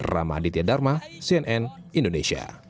ramaditya dharma cnn indonesia